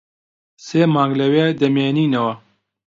سێ مانگ لەوێ دەمێنینەوە.